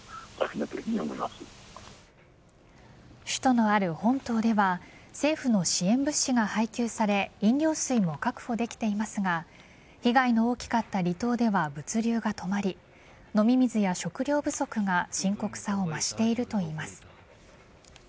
首都のある本島では政府の支援物資が配給され飲料水も確保できていますが被害の大きかった離島では物流が止まり飲み水や食料不足が深刻さを増しているといいます。